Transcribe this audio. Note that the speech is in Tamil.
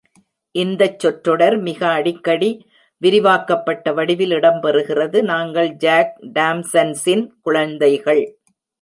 இந்தச் சொற்றொடர் மிக அடிக்கடி விரிவாக்கப்பட்ட வடிவில் இடம்பெறுகிறது. ”நாங்கள் ஜாக் டாம்சன்ஸின் குழந்கைதள்”.